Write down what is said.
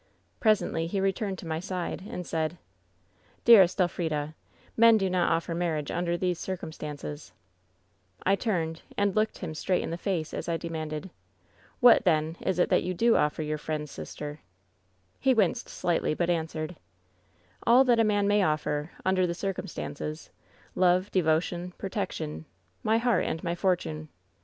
Presently he re turned to my side, and said :" 'Dearest Elfrida, men do not offer marriage under these circumstances.' WHEN SHADOWS DIE 196 ''I ttimed and looked him straight in the face as I demanded :*' 'What, then, is it that yon do oflFer yonr friend's sister V "He winced slightly, but answered :" ^AU that a man may offer — under the circum stances — ^love, devotion, protection. My heart and my fortune.